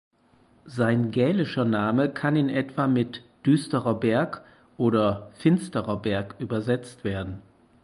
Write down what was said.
Sein gälischer Name kann in etwa mit "Düsterer Berg" oder "Finsterer Berg" übersetzt werden.